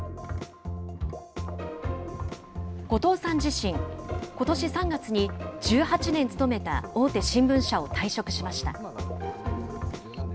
後藤さん自身、ことし３月に１８年勤めた大手新聞社を退職しました。